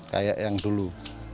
kayak yang dulu